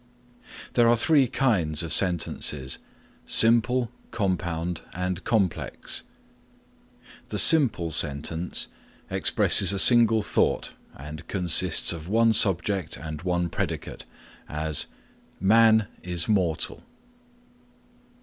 There are three kinds of sentences, simple, compound and complex. The simple sentence expresses a single thought and consists of one subject and one predicate, as, "Man is mortal."